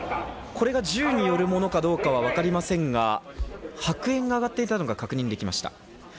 これが銃によるものかどうかはわかりませんが、白煙が上がっていたのが確認できました。